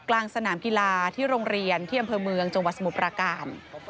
กลางสนามกีฬาที่โรงเรียนที่อำเภอเมืองจังหวัดสมุทรประการ